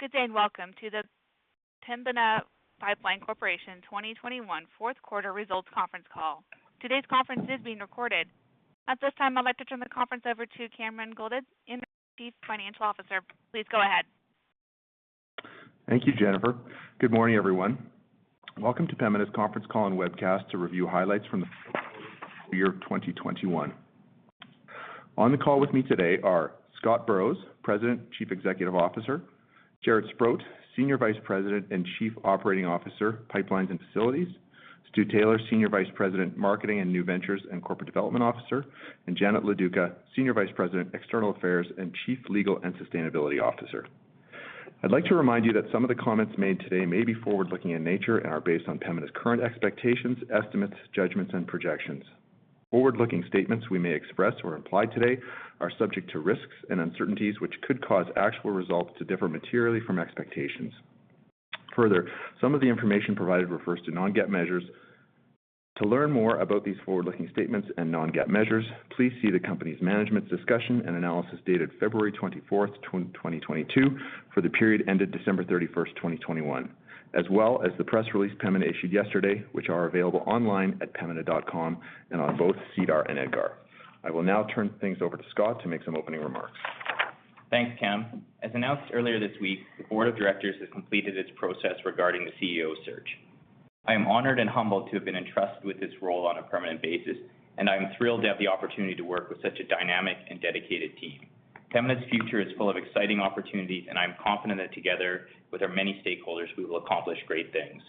Good day, and welcome to the Pembina Pipeline Corporation 2021 fourth quarter results conference call. Today's conference is being recorded. At this time, I'd like to turn the conference over to Cameron Goldade, Interim Chief Financial Officer. Please go ahead. Thank you, Jennifer. Good morning, everyone. Welcome to Pembina's conference call and webcast to review highlights from the year 2021. On the call with me today are Scott Burrows, President Chief Executive Officer, Jaret Sprott, Senior Vice President and Chief Operating Officer, Pipelines and Facilities, Stuart Taylor, Senior Vice President, Marketing and New Ventures and Corporate Development Officer, and Janet Loduca, Senior Vice President, External Affairs and Chief Legal and Sustainability Officer. I'd like to remind you that some of the comments made today may be forward-looking in nature and are based on Pembina's current expectations, estimates, judgments, and projections. Forward-looking statements we may express or imply today are subject to risks and uncertainties which could cause actual results to differ materially from expectations. Further, some of the information provided refers to non-GAAP measures. To learn more about these forward-looking statements and non-GAAP measures, please see the company's management discussion and analysis dated February 24, 2022 for the period ended December 31, 2021, as well as the press release Pembina issued yesterday, which are available online at pembina.com and on both SEDAR and EDGAR. I will now turn things over to Scott to make some opening remarks. Thanks, Cam. As announced earlier this week, the board of directors has completed its process regarding the CEO search. I am honored and humbled to have been entrusted with this role on a permanent basis, and I'm thrilled to have the opportunity to work with such a dynamic and dedicated team. Pembina's future is full of exciting opportunities, and I'm confident that together with our many stakeholders, we will accomplish great things.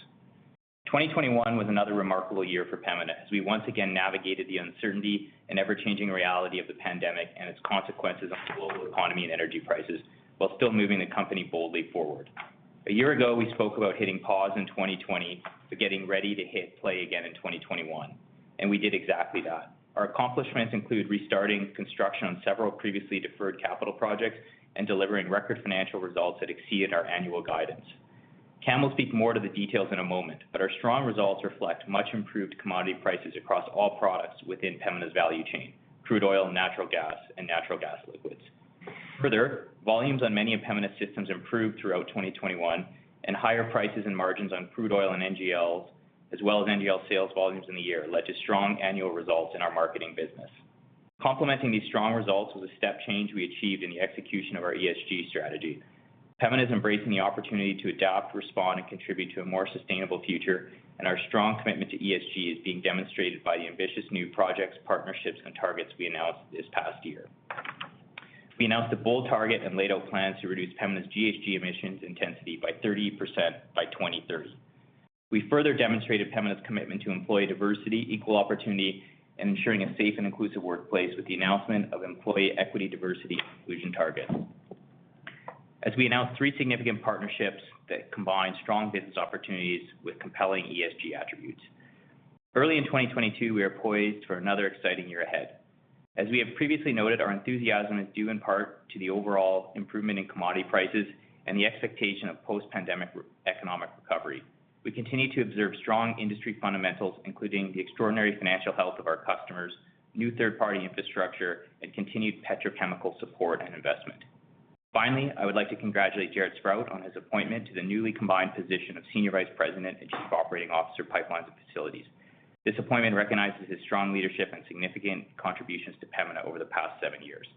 2021 was another remarkable year for Pembina, as we once again navigated the uncertainty and ever-changing reality of the pandemic and its consequences on the global economy and energy prices while still moving the company boldly forward. A year ago, we spoke about hitting pause in 2020 to getting ready to hit play again in 2021, and we did exactly that Our accomplishments include restarting construction on several previously deferred capital projects and delivering record financial results that exceeded our annual guidance. Cam will speak more to the details in a moment, but our strong results reflect much improved commodity prices across all products within Pembina's value chain, crude oil, natural gas, and natural gas liquids. Further, volumes on many of Pembina's systems improved throughout 2021, and higher prices and margins on crude oil and NGLs, as well as NGL sales volumes in the year led to strong annual results in our marketing business. Complementing these strong results was a step change we achieved in the execution of our ESG strategy. Pembina is embracing the opportunity to adapt, respond, and contribute to a more sustainable future, and our strong commitment to ESG is being demonstrated by the ambitious new projects, partnerships, and targets we announced this past year. We announced a bold target and laid out plans to reduce Pembina's GHG emissions intensity by 30% by 2030. We further demonstrated Pembina's commitment to employee diversity, equal opportunity, and ensuring a safe and inclusive workplace with the announcement of employee equity, diversity, and inclusion targets. As we announced three significant partnerships that combine strong business opportunities with compelling ESG attributes. Early in 2022, we are poised for another exciting year ahead. As we have previously noted, our enthusiasm is due in part to the overall improvement in commodity prices and the expectation of post-pandemic economic recovery. We continue to observe strong industry fundamentals, including the extraordinary financial health of our customers, new third-party infrastructure, and continued petrochemical support and investment. Finally, I would like to congratulate Jaret Sprott on his appointment to the newly combined position of Senior Vice President and Chief Operating Officer, Pipelines and Facilities. This appointment recognizes his strong leadership and significant contributions to Pembina over the past seven years.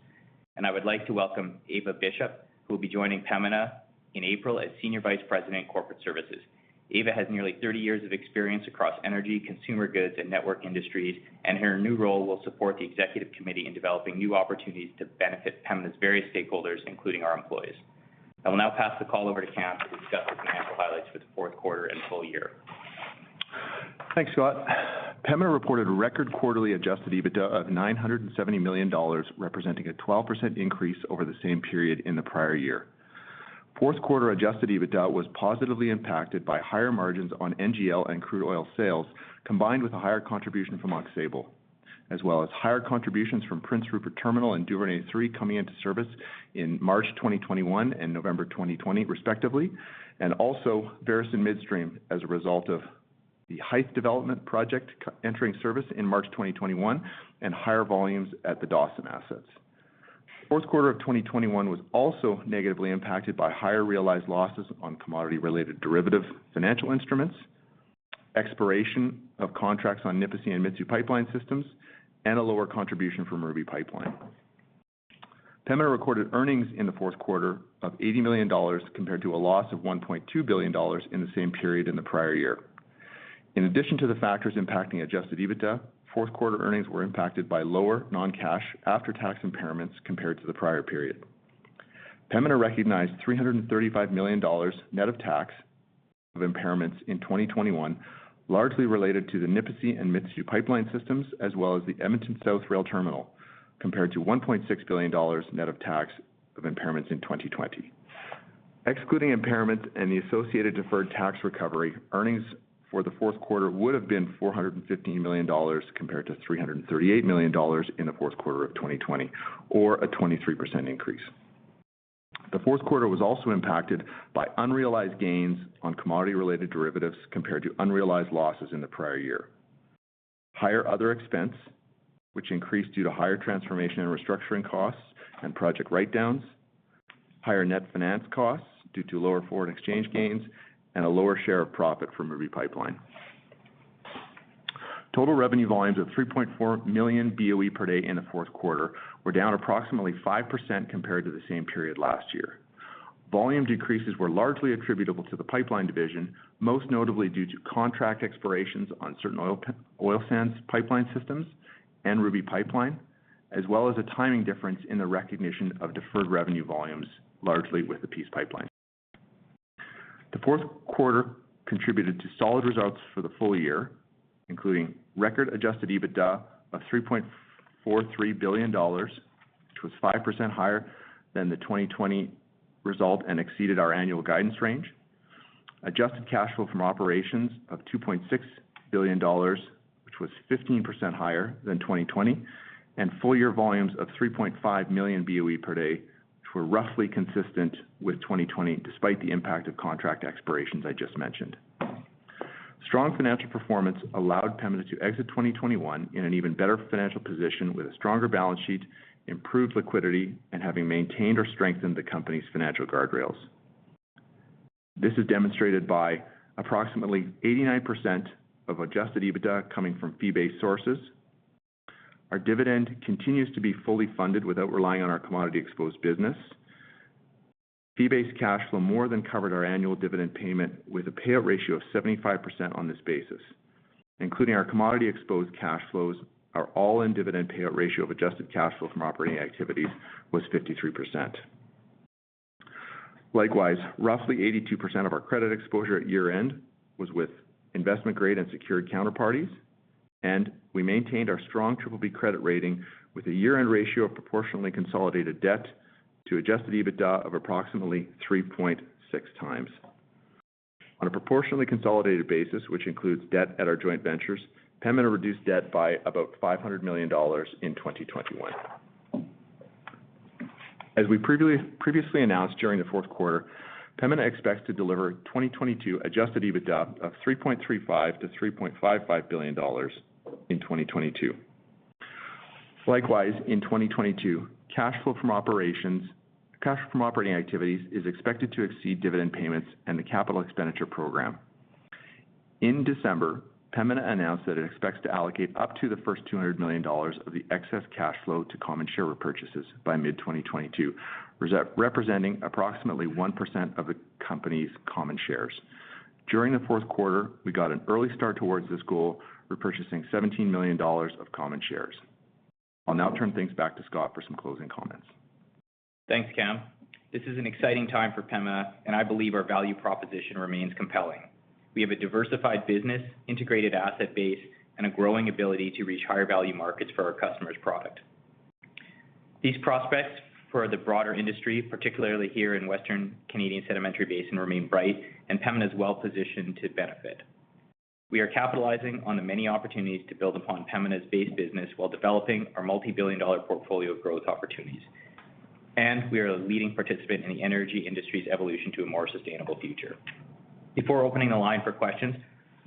I would like to welcome Eva Bishop, who will be joining Pembina in April as Senior Vice President, Corporate Services. Eva has nearly 30 years of experience across energy, consumer goods, and network industries, and her new role will support the executive committee in developing new opportunities to benefit Pembina's various stakeholders, including our employees. I will now pass the call over to Cam to discuss the financial highlights for the fourth quarter and full year. Thanks, Scott. Pembina reported record quarterly adjusted EBITDA of 970 million dollars, representing a 12% increase over the same period in the prior year. Fourth quarter adjusted EBITDA was positively impacted by higher margins on NGL and crude oil sales, combined with a higher contribution from Oxbow, as well as higher contributions from Prince Rupert Terminal and Duvernay III coming into service in March 2021 and November 2020, respectively, and also Veresen Midstream as a result of the Hythe development project entering service in March 2021 and higher volumes at the Dawson assets. Fourth quarter of 2021 was also negatively impacted by higher realized losses on commodity-related derivative financial instruments, expiration of contracts on Nipisi and Mitsue pipeline systems, and a lower contribution from Ruby Pipeline. Pembina recorded earnings in the fourth quarter of 80 million dollars compared to a loss of 1.2 billion dollars in the same period in the prior year. In addition to the factors impacting adjusted EBITDA, fourth quarter earnings were impacted by lower non-cash after-tax impairments compared to the prior period. Pembina recognized 335 million dollars, net of tax, of impairments in 2021, largely related to the Nipisi and Mitsue pipeline systems, as well as the Edmonton South Rail Terminal, compared to 1.6 billion dollars net of tax of impairments in 2020. Excluding impairment and the associated deferred tax recovery, earnings for the fourth quarter would have been 450 million dollars compared to 338 million dollars in the fourth quarter of 2020 or a 23% increase. The fourth quarter was also impacted by unrealized gains on commodity-related derivatives compared to unrealized losses in the prior year. Higher other expense, which increased due to higher transformation and restructuring costs and project write-downs. Higher net finance costs due to lower foreign exchange gains and a lower share of profit from Ruby Pipeline. Total revenue volumes of 3.4 million BOE per day in the fourth quarter were down approximately 5% compared to the same period last year. Volume decreases were largely attributable to the pipeline division, most notably due to contract expirations on certain oil sands pipeline systems and Ruby Pipeline, as well as a timing difference in the recognition of deferred revenue volumes, largely with the Peace Pipeline. The fourth quarter contributed to solid results for the full year, including record adjusted EBITDA of 3.43 billion dollars, which was 5% higher than the 2020 result and exceeded our annual guidance range. Adjusted cash flow from operations of 2.6 billion dollars, which was 15% higher than 2020. Full year volumes of 3.5 million BOE per day, which were roughly consistent with 2020, despite the impact of contract expirations I just mentioned. Strong financial performance allowed Pembina to exit 2021 in an even better financial position with a stronger balance sheet, improved liquidity, and having maintained or strengthened the company's financial guardrails. This is demonstrated by approximately 89% of adjusted EBITDA coming from fee-based sources. Our dividend continues to be fully funded without relying on our commodity-exposed business. Fee-based cash flow more than covered our annual dividend payment with a payout ratio of 75% on this basis. Including our commodity-exposed cash flows, our all-in dividend payout ratio of adjusted cash flow from operating activities was 53%. Likewise, roughly 82% of our credit exposure at year-end was with investment-grade and secured counterparties. We maintained our strong BBB credit rating with a year-end ratio of proportionally consolidated debt to adjusted EBITDA of approximately 3.6 times. On a proportionally consolidated basis, which includes debt at our joint ventures, Pembina reduced debt by about 500 million dollars in 2021. As we previously announced during the fourth quarter, Pembina expects to deliver 2022 adjusted EBITDA of 3.35 billion-3.55 billion dollars in 2022. Likewise, in 2022, cash from operating activities is expected to exceed dividend payments and the capital expenditure program. In December, Pembina announced that it expects to allocate up to the first 200 million dollars of the excess cash flow to common share repurchases by mid-2022, representing approximately 1% of the company's common shares. During the fourth quarter, we got an early start towards this goal, repurchasing 17 million dollars of common shares. I'll now turn things back to Scott for some closing comments. Thanks, Cam. This is an exciting time for Pembina, and I believe our value proposition remains compelling. We have a diversified business, integrated asset base, and a growing ability to reach higher-value markets for our customers' product. These prospects for the broader industry, particularly here in Western Canadian Sedimentary Basin, remain bright, and Pembina is well-positioned to benefit. We are capitalizing on the many opportunities to build upon Pembina's base business while developing our multi-billion dollar portfolio of growth opportunities. We are a leading participant in the energy industry's evolution to a more sustainable future. Before opening the line for questions,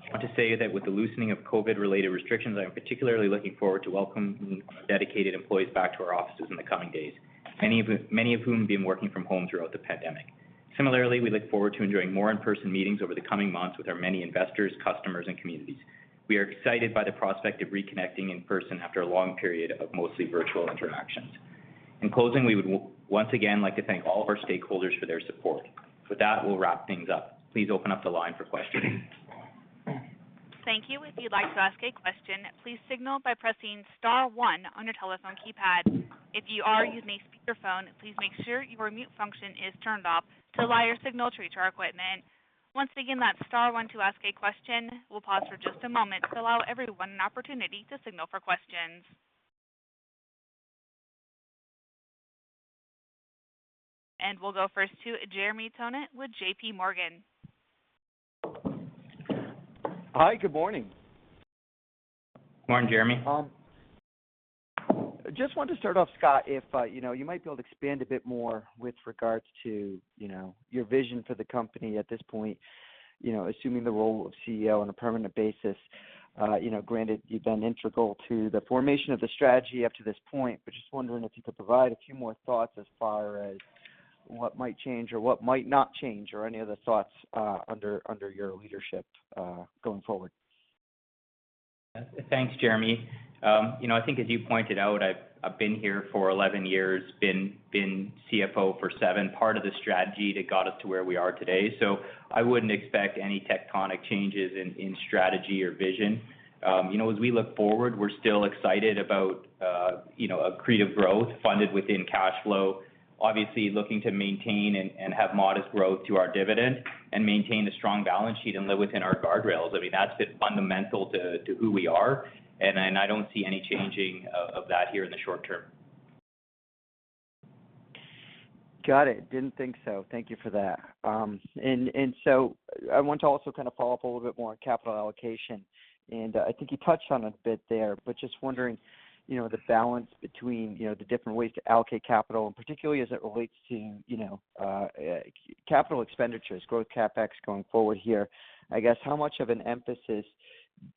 I want to say that with the loosening of COVID-related restrictions, I am particularly looking forward to welcoming our dedicated employees back to our offices in the coming days, many of whom have been working from home throughout the pandemic. Similarly, we look forward to enjoying more in-person meetings over the coming months with our many investors, customers, and communities. We are excited by the prospect of reconnecting in person after a long period of mostly virtual interactions. In closing, we would once again like to thank all of our stakeholders for their support. With that, we'll wrap things up. Please open up the line for questions. Thank you. If you'd like to ask a question, please signal by pressing star one on your telephone keypad. If you are using a speakerphone, please make sure your mute function is turned off to allow your signal to reach our equipment. Once again, that's star one to ask a question. We'll pause for just a moment to allow everyone an opportunity to signal for questions. We'll go first to Jeremy Tonet with JPMorgan. Hi, good morning. Morning, Jeremy. Just wanted to start off, Scott, if you know, you might be able to expand a bit more with regards to, you know, your vision for the company at this point, you know, assuming the role of CEO on a permanent basis. You know, granted, you've been integral to the formation of the strategy up to this point, but just wondering if you could provide a few more thoughts as far as what might change or what might not change or any other thoughts, under your leadership, going forward. Thanks, Jeremy. You know, I think as you pointed out, I've been here for 11 years, been CFO for seven, part of the strategy that got us to where we are today. I wouldn't expect any tectonic changes in strategy or vision. You know, as we look forward, we're still excited about, you know, accretive growth funded within cash flow. Obviously, looking to maintain and have modest growth to our dividend and maintain a strong balance sheet and live within our guardrails. I mean, that's been fundamental to who we are, and I don't see any changing of that here in the short term. Got it. Didn't think so. Thank you for that. I want to also kind of follow up a little bit more on capital allocation. I think you touched on it a bit there, but just wondering, you know, the balance between, you know, the different ways to allocate capital, and particularly as it relates to, you know, capital expenditures, growth CapEx going forward here. I guess, how much of an emphasis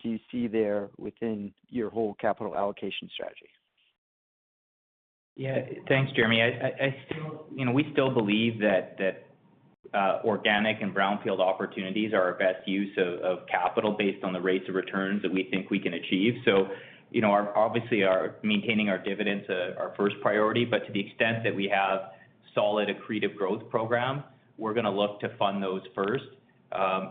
do you see there within your whole capital allocation strategy? Yeah. Thanks, Jeremy. I still, you know, we still believe that organic and brownfield opportunities are our best use of capital based on the rates of returns that we think we can achieve. You know, obviously, our maintaining our dividend's our first priority, but to the extent that we have solid accretive growth program, we're gonna look to fund those first.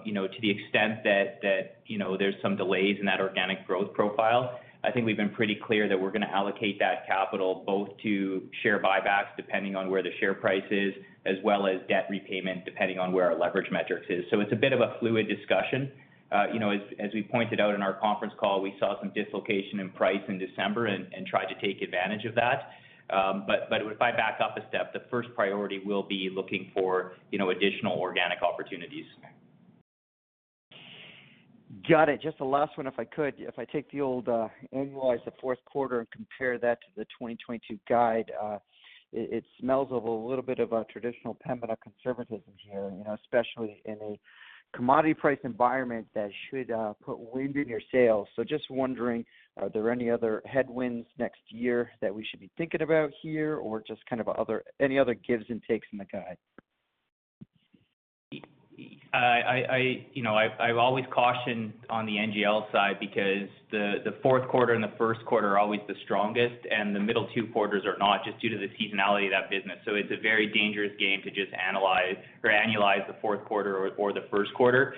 You know, to the extent that there's some delays in that organic growth profile, I think we've been pretty clear that we're gonna allocate that capital both to share buybacks, depending on where the share price is, as well as debt repayment, depending on where our leverage metrics is. It's a bit of a fluid discussion. You know, as we pointed out in our conference call, we saw some dislocation in price in December and tried to take advantage of that. If I back up a step, the first priority will be looking for, you know, additional organic opportunities. Got it. Just the last one, if I could. If I take the old, annualize the fourth quarter and compare that to the 2022 guide, it smells of a little bit of a traditional Pembina conservatism here, you know, especially in a commodity price environment that should put wind in your sails. Just wondering, are there any other headwinds next year that we should be thinking about here or just kind of other any other gives and takes in the guide? You know, I've always cautioned on the NGL side because the fourth quarter and the first quarter are always the strongest, and the middle two quarters are not just due to the seasonality of that business. It's a very dangerous game to just analyze or annualize the fourth quarter or the first quarter.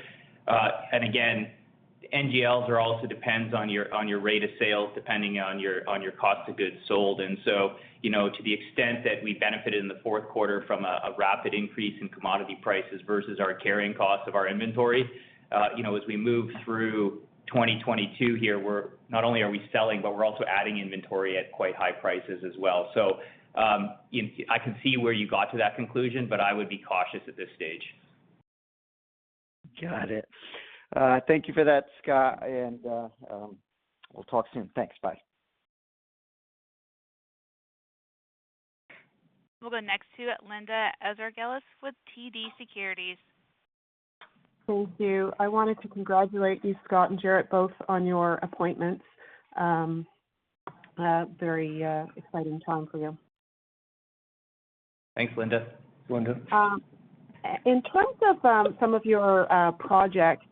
Again, NGLs are also depends on your rate of sales, depending on your cost of goods sold. You know, to the extent that we benefited in the fourth quarter from a rapid increase in commodity prices versus our carrying cost of our inventory, you know, as we move through 2022 here, we're not only selling, but we're also adding inventory at quite high prices as well. I can see where you got to that conclusion, but I would be cautious at this stage. Got it. Thank you for that, Scott. We'll talk soon. Thanks. Bye. We'll go next to Linda Ezergailis with TD Securities. Thank you. I wanted to congratulate you, Scott and Jaret, both on your appointments. A very exciting time for you. Thanks, Linda. Linda. In terms of some of your projects,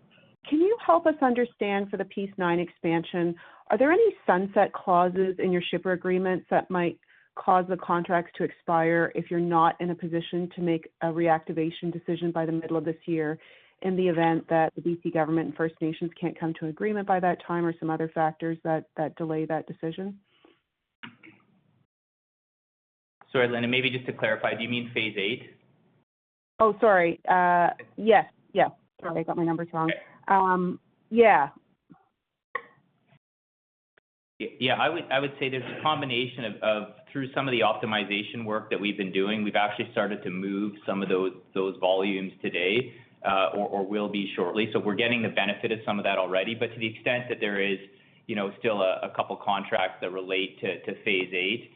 can you help us understand for the Phase IX expansion, are there any sunset clauses in your shipper agreements that might cause the contracts to expire if you're not in a position to make a reactivation decision by the middle of this year in the event that the B.C. government and First Nations can't come to agreement by that time or some other factors that delay that decision? Sorry, Linda. Maybe just to clarify, do you mean Phase VIII? Oh, sorry. Yes, yes. Sorry, I got my numbers wrong. Yeah. Yeah, I would say there's a combination of through some of the optimization work that we've been doing. We've actually started to move some of those volumes today, or will be shortly. We're getting the benefit of some of that already. To the extent that there is, you know, still a couple contracts that relate to Phase VIII,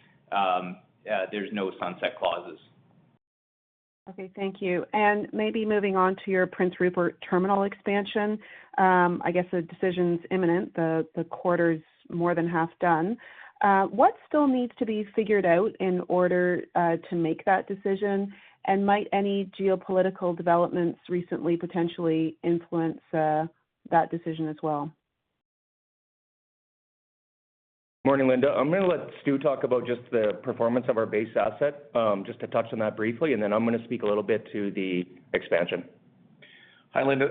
there's no sunset clauses. Okay, thank you. Maybe moving on to your Prince Rupert terminal expansion, I guess the decision's imminent, the quarter's more than half done. What still needs to be figured out in order to make that decision? Might any geopolitical developments recently potentially influence that decision as well? Morning, Linda. I'm gonna let Stuart talk about just the performance of our base asset, just to touch on that briefly, and then I'm gonna speak a little bit to the expansion. Hi, Linda.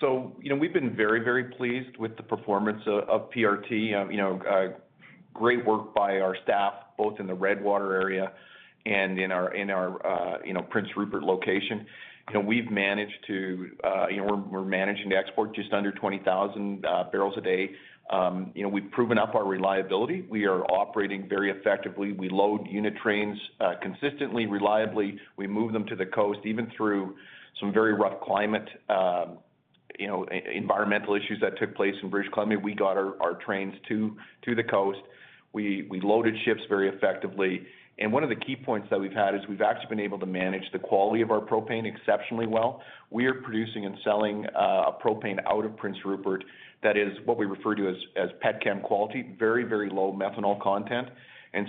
So, you know, we've been very, very pleased with the performance of PRT. You know, great work by our staff, both in the Redwater area and in our Prince Rupert location. You know, we've managed to, you know, we're managing to export just under 20,000 barrels a day. You know, we've proven up our reliability. We are operating very effectively. We load unit trains consistently, reliably. We move them to the coast, even through some very rough climate, environmental issues that took place in British Columbia. We got our trains to the coast. We loaded ships very effectively. One of the key points that we've had is we've actually been able to manage the quality of our propane exceptionally well. We are producing and selling a propane out of Prince Rupert that is what we refer to as petchem quality, very, very low methanol content.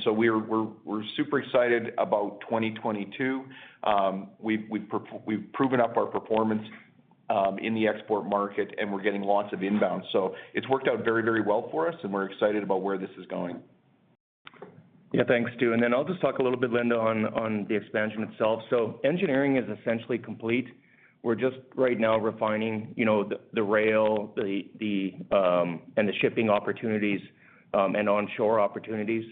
We're super excited about 2022. We've proven up our performance in the export market, and we're getting lots of inbound. It's worked out very, very well for us, and we're excited about where this is going. Yeah. Thanks, Stuart. I'll just talk a little bit, Linda, on the expansion itself. Engineering is essentially complete. We're just right now refining, you know, the rail and the shipping opportunities and onshore opportunities.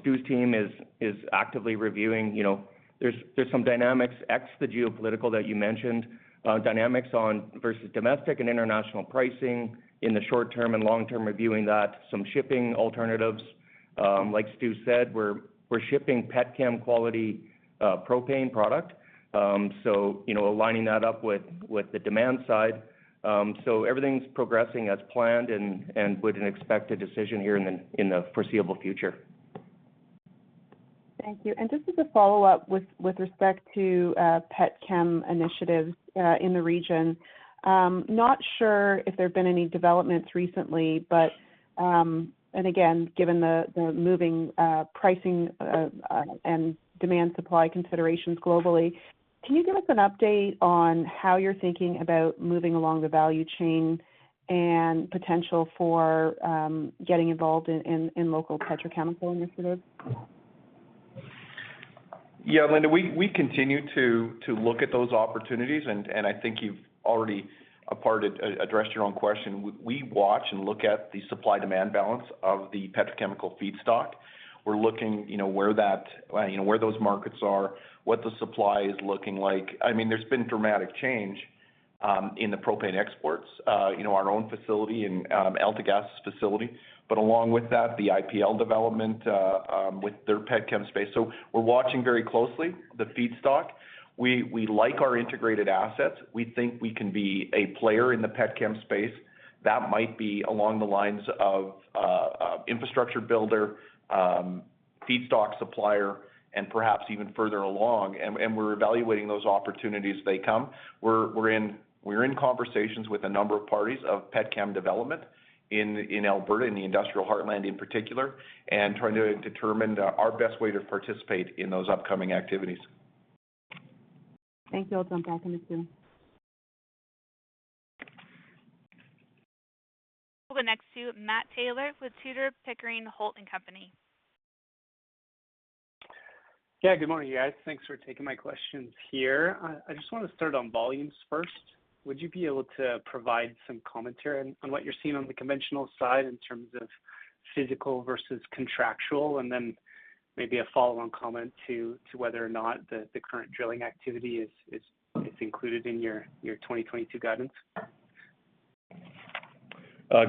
Stuart's team is actively reviewing, you know, there's some dynamics, the geopolitical that you mentioned, dynamics on versus domestic and international pricing in the short-term and long-term reviewing that, some shipping alternatives. Like Stuart said, we're shipping petchem quality propane product, so you know, aligning that up with the demand side. Everything's progressing as planned and would expect a decision here in the foreseeable future. Thank you. Just as a follow-up with respect to petchem initiatives in the region, not sure if there have been any developments recently, but and again, given the moving pricing and demand supply considerations globally, can you give us an update on how you're thinking about moving along the value chain and potential for getting involved in local petrochemical initiatives? Linda, we continue to look at those opportunities, and I think you've already addressed your own question. We watch and look at the supply-demand balance of the petrochemical feedstock. We're looking, you know, where that, you know, where those markets are, what the supply is looking like. I mean, there's been dramatic change in the propane exports, you know, our own facility and AltaGas facility. Along with that, the IPL development with their petchem space. We're watching very closely the feedstock. We like our integrated assets. We think we can be a player in the petchem space that might be along the lines of infrastructure builder, feedstock supplier, and perhaps even further along, and we're evaluating those opportunities as they come. We're in conversations with a number of parties on petchem development in Alberta, in the Industrial Heartland in particular, and trying to determine our best way to participate in those upcoming activities. Thank you. I'll jump back in the queue. We'll go next to Matt Taylor with Tudor, Pickering, Holt & Co. Yeah. Good morning, guys. Thanks for taking my questions here. I just wanna start on volumes first. Would you be able to provide some commentary on what you're seeing on the conventional side in terms of physical versus contractual? And then maybe a follow-on comment to whether or not the current drilling activity is included in your 2022 guidance.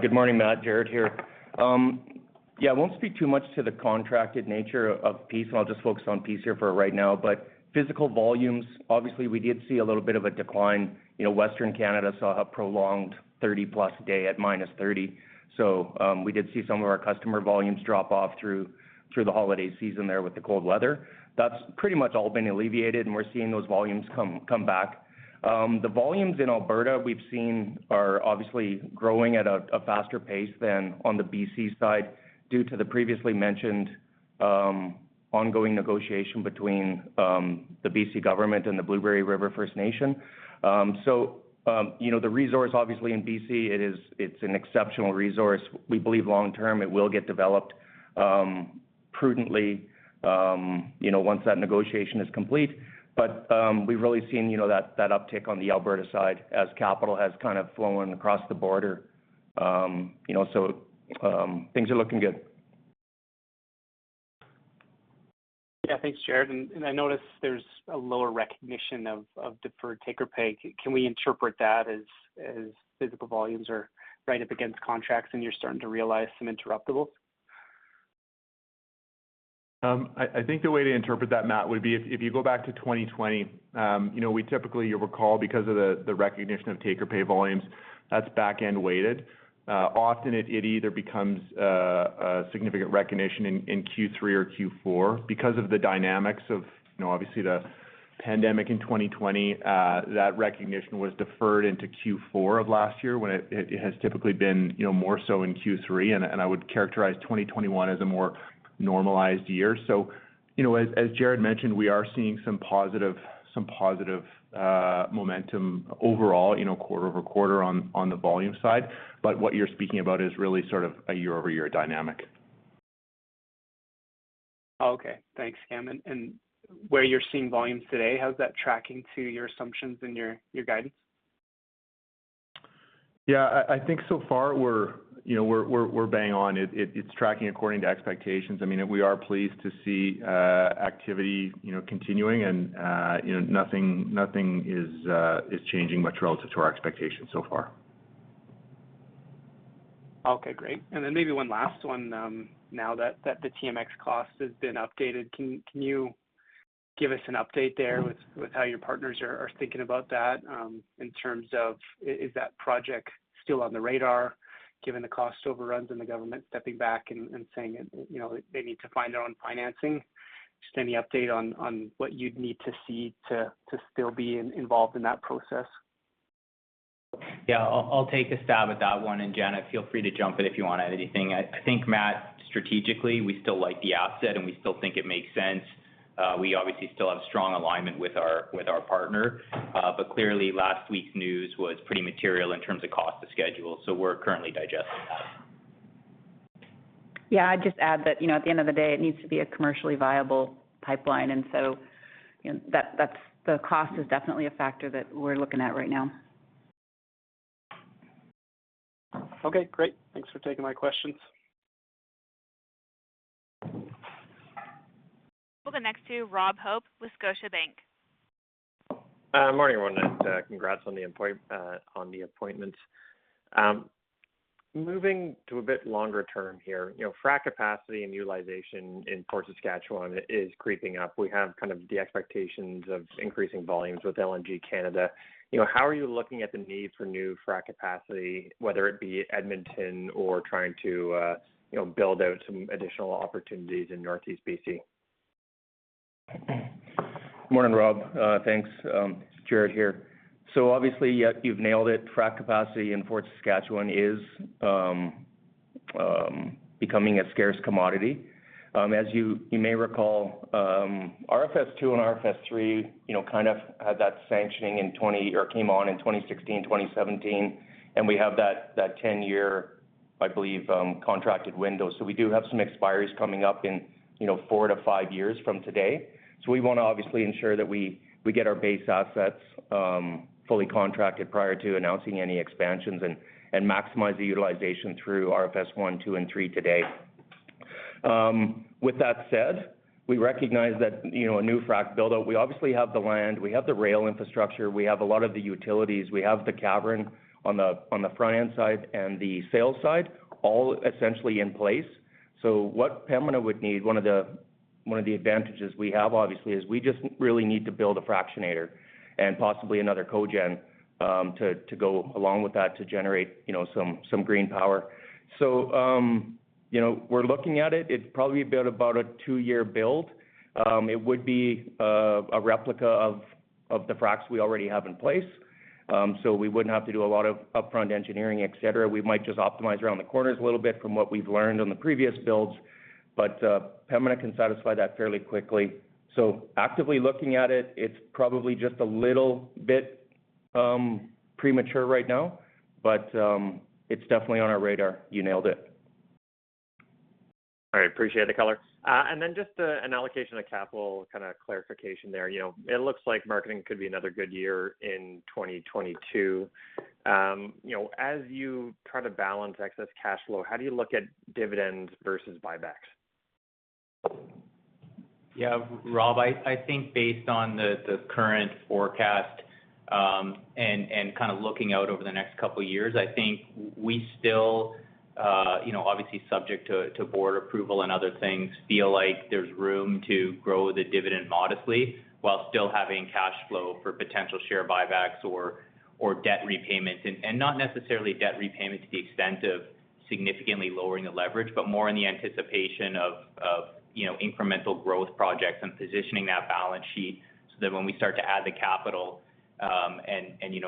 Good morning, Matt. Jaret here. I won't speak too much to the contracted nature of Peace, and I'll just focus on Peace here for right now. Physical volumes, obviously, we did see a little bit of a decline. You know, Western Canada saw a prolonged 30+ day at -30. We did see some of our customer volumes drop off through the holiday season there with the cold weather. That's pretty much all been alleviated, and we're seeing those volumes come back. The volumes in Alberta we've seen are obviously growing at a faster pace than on the BC side due to the previously mentioned ongoing negotiation between the BC government and the Blueberry River First Nation. You know, the resource obviously in BC is an exceptional resource. We believe long term it will get developed, prudently, you know, once that negotiation is complete. We've really seen, you know, that uptick on the Alberta side as capital has kind of flown across the border. You know, so, things are looking good. Yeah. Thanks, Jaret. I noticed there's a lower recognition of deferred take-or-pay. Can we interpret that as physical volumes are right up against contracts and you're starting to realize some interruptible? I think the way to interpret that, Matt, would be if you go back to 2020, you know, we typically you'll recall because of the recognition of take-or-pay volumes, that's back-end weighted. Often it either becomes a significant recognition in Q3 or Q4 because of the dynamics of, you know, obviously the pandemic in 2020. That recognition was deferred into Q4 of last year when it has typically been, you know, more so in Q3, and I would characterize 2021 as a more normalized year. You know, as Jaret mentioned, we are seeing some positive momentum overall, you know, quarter-over-quarter on the volume side. But what you're speaking about is really sort of a year-over-year dynamic. Okay. Thanks, Cam. Where you're seeing volumes today, how's that tracking to your assumptions and your guidance? Yeah. I think so far we're, you know, bang on it. It's tracking according to expectations. I mean, we are pleased to see activity, you know, continuing and, you know, nothing is changing much relative to our expectations so far. Okay, great. Maybe one last one, now that the TMX cost has been updated, can you give us an update there with how your partners are thinking about that, in terms of is that project still on the radar given the cost overruns and the government stepping back and saying, you know, they need to find their own financing? Just any update on what you'd need to see to still be involved in that process. Yeah. I'll take a stab at that one, and Janet, feel free to jump in if you wanna add anything. I think, Matt, strategically, we still like the asset, and we still think it makes sense. We obviously still have strong alignment with our partner. Clearly last week's news was pretty material in terms of cost to schedule, so we're currently digesting that. Yeah. I'd just add that, you know, at the end of the day, it needs to be a commercially viable pipeline, and so, you know, that's the cost is definitely a factor that we're looking at right now. Okay, great. Thanks for taking my questions. We'll go next to Robert Hope with Scotiabank. Morning, everyone. Congrats on the appointment. Moving to a bit longer term here, you know, frac capacity and utilization in Fort Saskatchewan is creeping up. We have kind of the expectations of increasing volumes with LNG Canada. You know, how are you looking at the need for new frac capacity, whether it be Edmonton or trying to, you know, build out some additional opportunities in Northeast BC? Good morning, Rob. Thanks. Jaret here. Obviously, yeah, you've nailed it. Frac capacity in Fort Saskatchewan is becoming a scarce commodity. As you may recall, RFS 2 and RFS 3 kind of had that sanctioning in twenty-- or came on in 2016, 2017, and we have that 10-year, I believe, contracted window. We do have some expiries coming up in four-five years from today. We wanna obviously ensure that we get our base assets fully contracted prior to announcing any expansions and maximize the utilization through RFS 1, 2, and 3 today. With that said, we recognize that, you know, a new frac build out, we obviously have the land, we have the rail infrastructure, we have a lot of the utilities, we have the cavern on the front-end side and the sales side, all essentially in place. What Pembina would need, one of the advantages we have, obviously, is we just really need to build a fractionator and possibly another cogen to go along with that to generate, you know, some green power. We're looking at it. It's probably about a two-year build. It would be a replica of the fracs we already have in place. We wouldn't have to do a lot of upfront engineering, et cetera. We might just optimize around the corners a little bit from what we've learned on the previous builds, but, Pembina can satisfy that fairly quickly. Actively looking at it's probably just a little bit, premature right now, but, it's definitely on our radar. You nailed it. All right. Appreciate the color. Just an allocation of capital, kinda clarification there. You know, it looks like marketing could be another good year in 2022. You know, as you try to balance excess cash flow, how do you look at dividends versus buybacks? Yeah, Rob, I think based on the current forecast, and kinda looking out over the next couple years, I think we still, you know, obviously subject to board approval and other things, feel like there's room to grow the dividend modestly while still having cash flow for potential share buybacks or debt repayments. Not necessarily debt repayment to the extent of significantly lowering the leverage, but more in the anticipation of, you know, incremental growth projects and positioning that balance sheet so that when we start to add the capital, you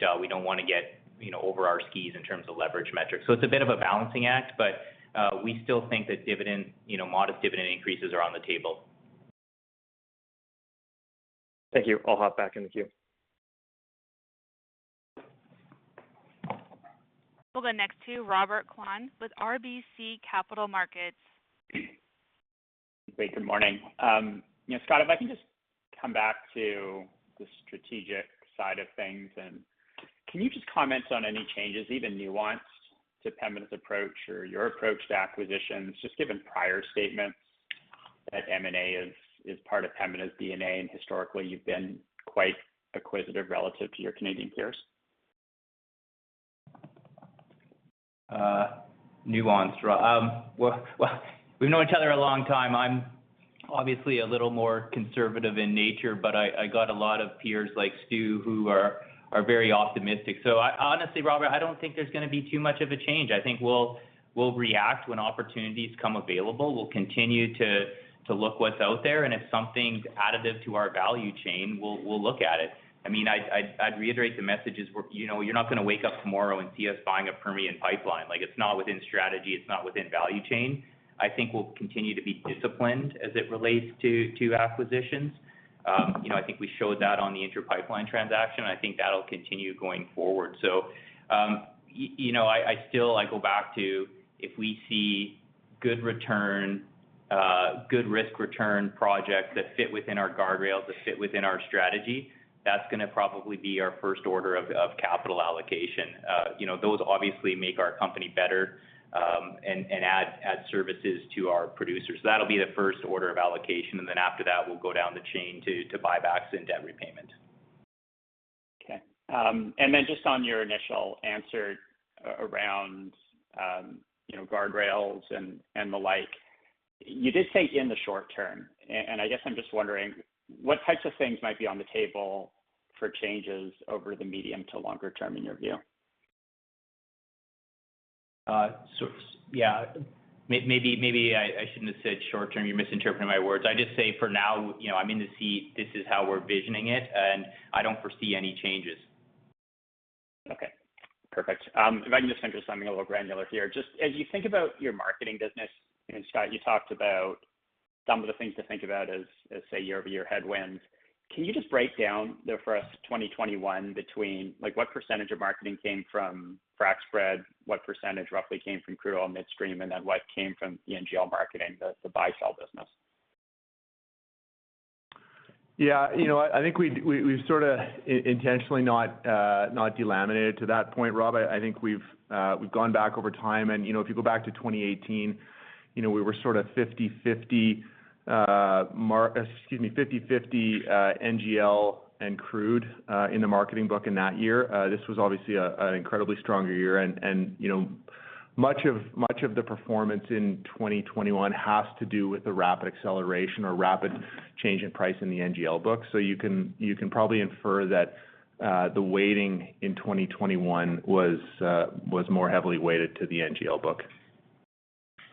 know, we don't wanna get, you know, over our skis in terms of leverage metrics. It's a bit of a balancing act, but we still think that dividend, you know, modest dividend increases are on the table. Thank you. I'll hop back in the queue. We'll go next to Robert Kwan with RBC Capital Markets. Great. Good morning. You know, Scott, if I can just come back to the strategic side of things, and can you just comment on any changes, even nuance to Pembina's approach or your approach to acquisitions, just given prior statements that M&A is part of Pembina's DNA, and historically you've been quite acquisitive relative to your Canadian peers? We've known each other a long time. I'm obviously a little more conservative in nature, but I got a lot of peers like Stuart who are very optimistic. Honestly, Robert, I don't think there's gonna be too much of a change. I think we'll react when opportunities come available. We'll continue to look what's out there, and if something's additive to our value chain, we'll look at it. I mean, I'd reiterate the messages. You know, you're not gonna wake up tomorrow and see us buying a Permian pipeline. Like, it's not within strategy, it's not within value chain. I think we'll continue to be disciplined as it relates to acquisitions. You know, I think we showed that on the Inter Pipeline transaction. I think that'll continue going forward. You know, I still go back to, if we see good return, good risk-return projects that fit within our guardrails, that fit within our strategy, that's gonna probably be our first order of capital allocation. You know, those obviously make our company better, and add services to our producers. That'll be the first order of allocation, and then after that, we'll go down the chain to buybacks and debt repayment. Okay. Just on your initial answer around, you know, guardrails and the like, you did say in the short term, and I guess I'm just wondering what types of things might be on the table for changes over the medium to longer term in your view? Maybe I shouldn't have said short term. You're misinterpreting my words. I just say for now, you know, I'm in the seat, this is how we're visioning it, and I don't foresee any changes. Okay. Perfect. If I can just enter something a little granular here. Just as you think about your marketing business, and Scott, you talked about some of the things to think about as, say, year-over-year headwinds. Can you just break down there for us 2021 between, like, what percentage of marketing came from frac spread, what percentage roughly came from crude oil midstream, and then what came from the NGL marketing, the buy-sell business? Yeah. You know what? I think we've sorta intentionally not delved to that point, Rob. I think we've gone back over time and, you know, if you go back to 2018, you know, we were sorta 50/50, NGL and crude, in the marketing book in that year. This was obviously an incredibly stronger year and, you know, much of the performance in 2021 has to do with the rapid acceleration or rapid change in price in the NGL book. You can probably infer that the weighting in 2021 was more heavily weighted to the NGL book.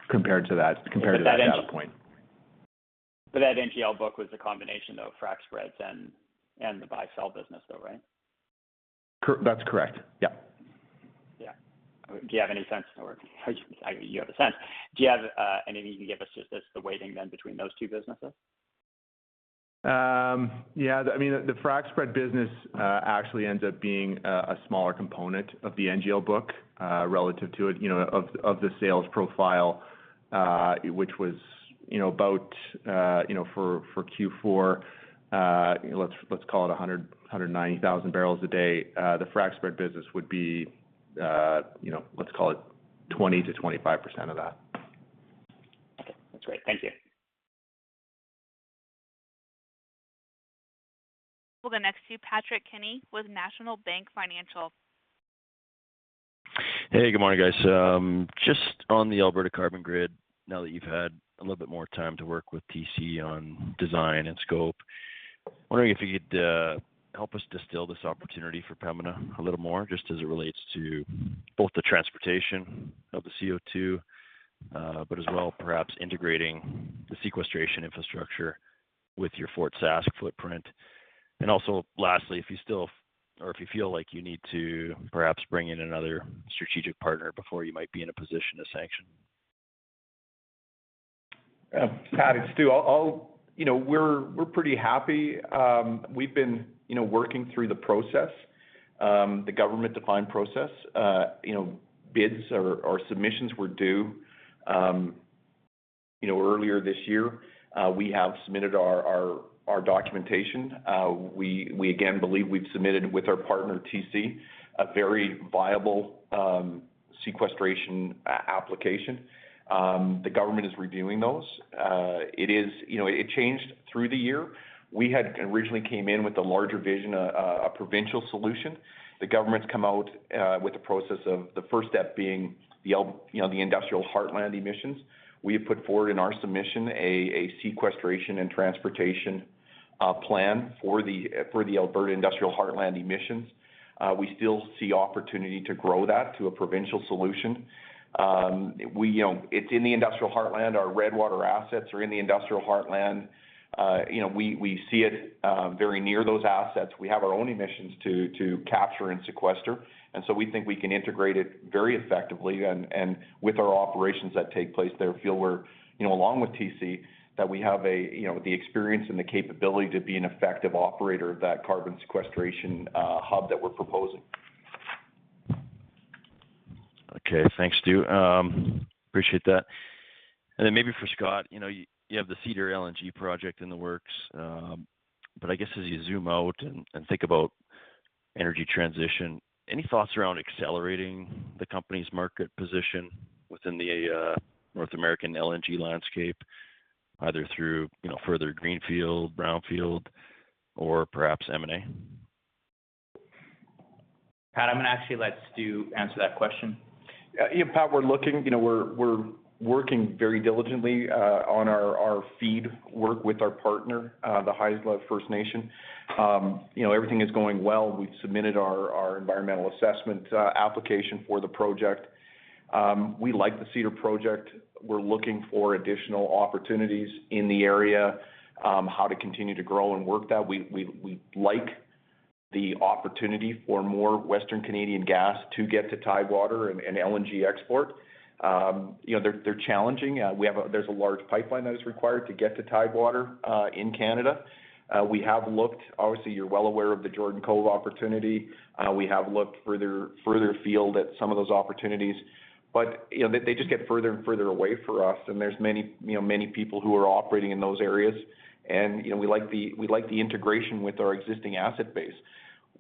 Compared to that data point. That NGL book was a combination of frac spreads and the buy-sell business though, right? That's correct. Yeah. Do you have anything you can give us just as the weighting then between those two businesses? Yeah. I mean, the frac spread business actually ends up being a smaller component of the NGL book relative to it, you know, of the sales profile, which was, you know, about for Q4, let's call it 190,000 barrels a day. The frac spread business would be, you know, let's call it 20%-25% of that. Okay, that's great. Thank you. We'll go next to Patrick Kenny with National Bank Financial. Hey, good morning, guys. Just on the Alberta carbon grid, now that you've had a little bit more time to work with TC on design and scope, wondering if you could help us distill this opportunity for Pembina a little more, just as it relates to both the transportation of the CO2, but as well perhaps integrating the sequestration infrastructure with your Fort Sask footprint. Also, lastly, if you still or if you feel like you need to perhaps bring in another strategic partner before you might be in a position to sanction. Yeah. Pat, it's Stuart. You know, we're pretty happy. We've been, you know, working through the process, the government-defined process. You know, bids or submissions were due, you know, earlier this year. We have submitted our documentation. We again believe we've submitted with our partner, TC, a very viable sequestration application. The government is reviewing those. It changed through the year. We had originally came in with a larger vision of provincial solution. The government's come out with the process of the first step being the Alberta Industrial Heartland emissions. We have put forward in our submission a sequestration and transportation plan for the Alberta Industrial Heartland emissions. We still see opportunity to grow that to a provincial solution. We, you know, it's in the Industrial Heartland. Our Redwater assets are in the Industrial Heartland. You know, we see it very near those assets. We have our own emissions to capture and sequester, and so we think we can integrate it very effectively and with our operations that take place there, feel we're, you know, along with TC, that we have a, you know, the experience and the capability to be an effective operator of that carbon sequestration hub that we're proposing. Okay. Thanks, Stuart. Then maybe for Scott, you know, you have the Cedar LNG project in the works, but I guess as you zoom out and think about energy transition, any thoughts around accelerating the company's market position within the North American LNG landscape, either through, you know, further greenfield, brownfield or perhaps M&A? Pat, I'm gonna actually let Stuart answer that question. Yeah. Yeah, Pat, we're looking. You know, we're working very diligently on our FEED work with our partner, the Haisla First Nation. You know, everything is going well. We've submitted our environmental assessment application for the project. You know, we like the Cedar project. We're looking for additional opportunities in the area, how to continue to grow and work that. We like the opportunity for more Western Canadian gas to get to tidewater and LNG export. You know, they're challenging. There's a large pipeline that is required to get to tidewater in Canada. We have looked. Obviously, you're well aware of the Jordan Cove opportunity. We have looked further afield at some of those opportunities. You know, they just get further and further away for us and there's many, you know, people who are operating in those areas. You know, we like the integration with our existing asset base.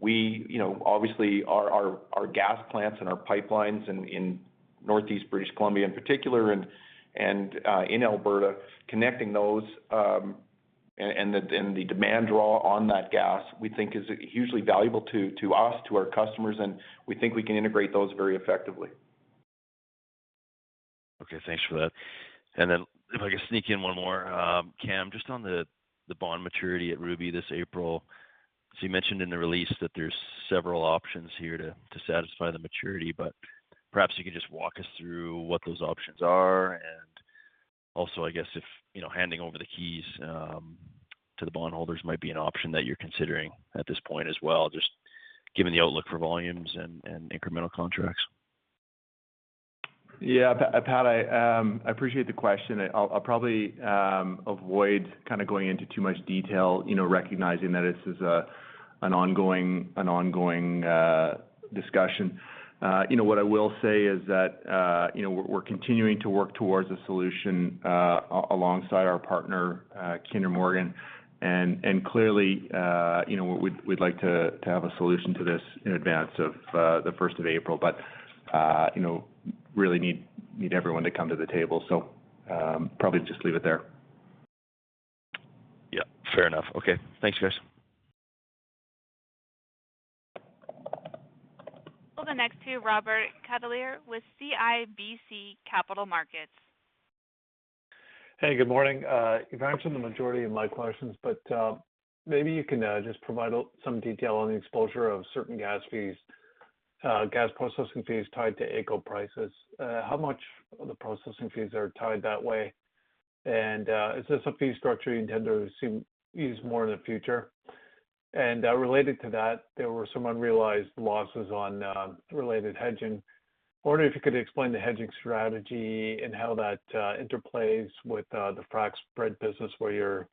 You know, obviously our gas plants and our pipelines in Northeast British Columbia in particular and in Alberta, connecting those and the demand draw on that gas, we think is hugely valuable to us, to our customers, and we think we can integrate those very effectively. Okay. Thanks for that. If I could sneak in one more. Cam, just on the bond maturity at Ruby this April, so you mentioned in the release that there's several options here to satisfy the maturity, but perhaps you could just walk us through what those options are and also, I guess if, you know, handing over the keys to the bondholders might be an option that you're considering at this point as well, just given the outlook for volumes and incremental contracts. Yeah. Pat, I appreciate the question and I'll probably avoid kind of going into too much detail, you know, recognizing that this is an ongoing discussion. You know, what I will say is that, you know, we're continuing to work towards a solution alongside our partner, Kinder Morgan. Clearly, you know, we'd like to have a solution to this in advance of the first of April. You know, really need everyone to come to the table. Probably just leave it there. Yeah. Fair enough. Okay. Thanks, guys. We'll go next to Robert Catellier with CIBC Capital Markets. Hey, good morning. You've answered the majority of my questions, but maybe you can just provide some detail on the exposure of certain gas fees, gas processing fees tied to AECO prices. How much of the processing fees are tied that way? Is this a fee structure you intend to use more in the future? Related to that, there were some unrealized losses on related hedging. I wonder if you could explain the hedging strategy and how that interplays with the frac spread business where you're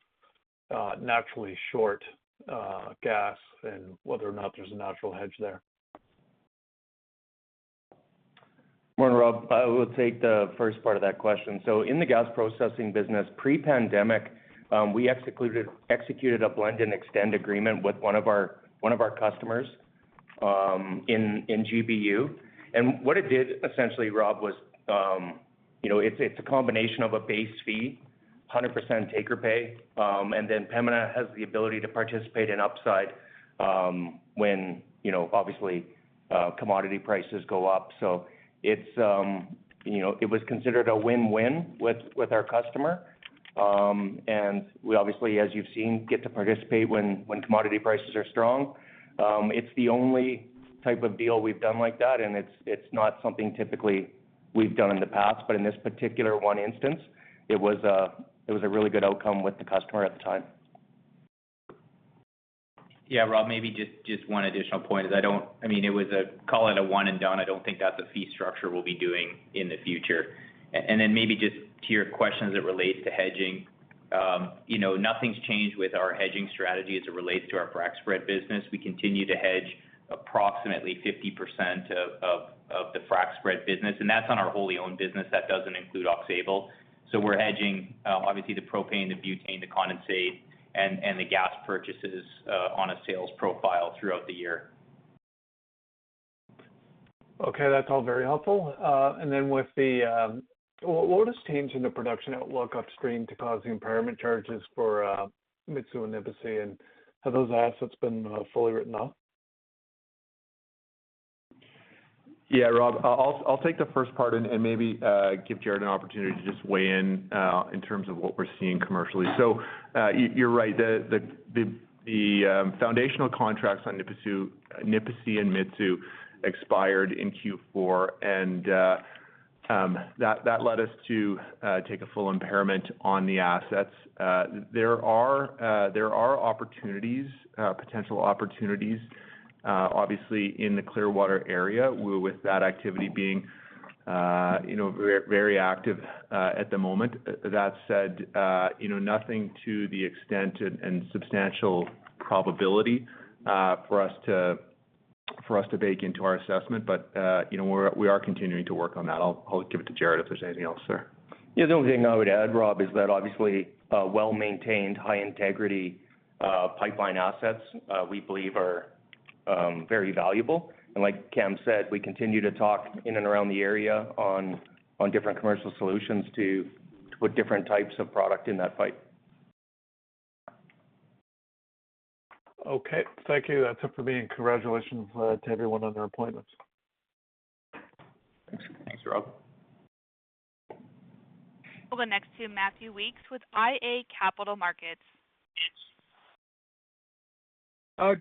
naturally short gas and whether or not there's a natural hedge there. Morning, Rob. I will take the first part of that question. In the gas processing business pre-pandemic, we executed a blend and extend agreement with one of our customers in GBU. What it did, essentially, Rob, was you know, it's a combination of a base fee, 100% take-or-pay, and then Pembina has the ability to participate in upside when you know, obviously, commodity prices go up. It's you know, it was considered a win-win with our customer. We obviously, as you've seen, get to participate when commodity prices are strong. It's the only type of deal we've done like that, and it's not something typically we've done in the past. In this particular one instance, it was a really good outcome with the customer at the time. Yeah, Rob, maybe just one additional point is I mean, it was, call it, a one and done. I don't think that's a fee structure we'll be doing in the future. Maybe just to your question as it relates to hedging, you know, nothing's changed with our hedging strategy as it relates to our frac spread business. We continue to hedge approximately 50% of the frac spread business, and that's on our wholly owned business. That doesn't include Aux Sable. We're hedging obviously the propane, the butane, the condensate, and the gas purchases on a sales profile throughout the year. Okay, that's all very helpful. What has changed in the production outlook upstream to cause the impairment charges for Mitsue and Nipisi, and have those assets been fully written off? Rob, I'll take the first part and maybe give Jaret an opportunity to just weigh in in terms of what we're seeing commercially. You're right. The foundational contracts on Nipisi and Mitsue expired in Q4, and that led us to take a full impairment on the assets. There are potential opportunities obviously in the Clearwater area with that activity being you know very active at the moment. That said, you know, nothing to the extent and substantial probability for us to bake into our assessment. You know, we are continuing to work on that. I'll give it to Jaret if there's anything else there. Yeah. The only thing I would add, Rob, is that obviously well-maintained, high-integrity pipeline assets we believe are very valuable. Like Cam said, we continue to talk in and around the area on different commercial solutions to put different types of product in that pipe. Okay. Thank you. That's it for me, and congratulations to everyone on their appointments. Thanks. Thanks, Rob. We'll go next to Matthew Weekes with iA Capital Markets.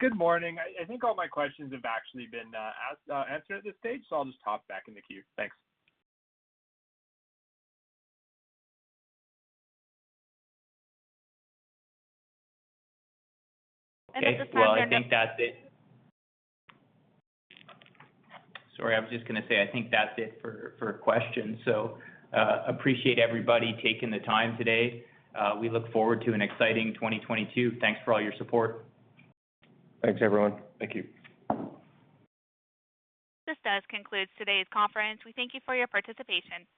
Good morning. I think all my questions have actually been answered at this stage, so I'll just hop back in the queue. Thanks. At this time. Okay. Well, I think that's it. Sorry, I was just gonna say I think that's it for questions. Appreciate everybody taking the time today. We look forward to an exciting 2022. Thanks for all your support. Thanks, everyone. Thank you. This does conclude today's conference. We thank you for your participation.